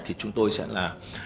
thì chúng tôi sẽ làm